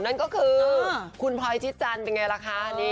นั่นก็คือคุณพลอยชิดจันทร์เป็นไงล่ะคะ